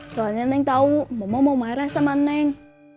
soalnya neng tahu mama mau marah sama neng